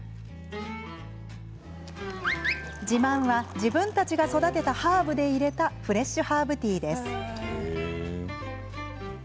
自慢は自分たちが育てたハーブでいれたフレッシュハーブティーです。